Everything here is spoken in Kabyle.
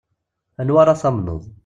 Anwa ara tamneḍ.